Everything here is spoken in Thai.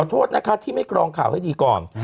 โทษนะคะที่ไม่กรองข่าวให้ดีก่อน